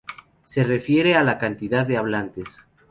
Se refiere a la cantidad de hablantes.